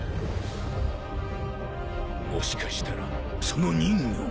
もしかしたらその人魚が